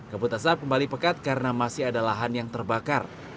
kabut asap kembali pekat karena masih ada lahan yang terbakar